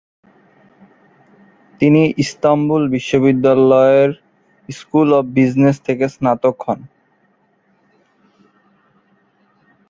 তিনি ইস্তাম্বুল বিশ্ববিদ্যালয়ের school of business থেকে স্নাতক হন।